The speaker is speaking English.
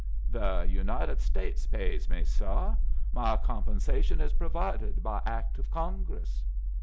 "The United States pays me, suh. My compensation is provided by act of Congress."